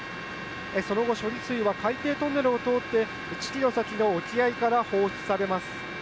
その後、処理水は海底トンネルを通って、１キロ先の沖合から放出されます。